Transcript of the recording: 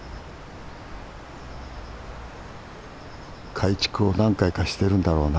改築を何回かしてるんだろうな。